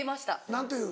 何ていう？